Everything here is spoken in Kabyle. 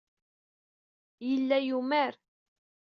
Yella yumar.